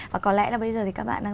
và có lẽ là bây giờ thì các bạn